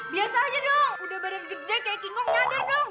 biasa aja dong udah badan gede kayak king kong nyandar dong